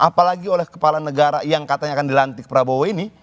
apalagi oleh kepala negara yang katanya akan dilantik prabowo ini